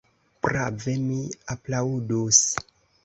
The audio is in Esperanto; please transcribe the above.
Prave, mi aplaŭdus.